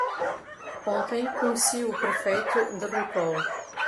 Ontem conheci o prefeito de Ripoll.